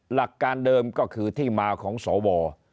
หลักการเดิมก็คือที่มาของสว